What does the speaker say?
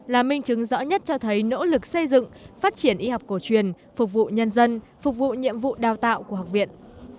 là minh chứng rõ nhất cho thấy nỗ lực xây dựng phát triển y học cổ truyền phục vụ nhân dân phục vụ nhiệm vụ đào tạo của học viện